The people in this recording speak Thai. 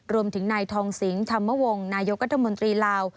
รวมถึงนายทองสิงธรรมวงศ์นายกรัฐมนตรีลาว